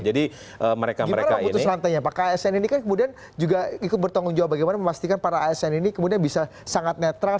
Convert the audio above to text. gimana memutus rantainya pak asn ini kan kemudian ikut bertanggung jawab bagaimana memastikan para asn ini kemudian bisa sangat netral sangat prudent untuk berhasil